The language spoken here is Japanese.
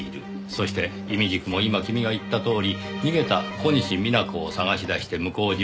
そしていみじくも今君が言ったとおり逃げた小西皆子を捜し出して向島に現れた。